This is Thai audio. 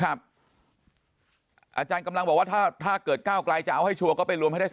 อาจารย์กำลังบอกว่าถ้าเกิด๙กายจะเอาให้ชั่วก็ไปรวมให้